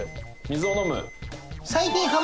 水を飲む。